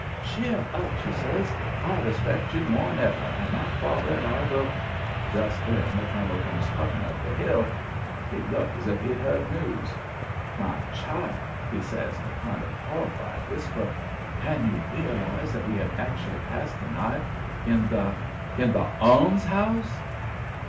Cheer up," she says. "I respect you more than ever, and my father and I will " Just then the colonel comes puffing up the hill. He looked as if he'd heard news. "My child," he says in a kind of horrified whisper, "can you realize that we have actually passed the night in the in the ALMSHOUSE?"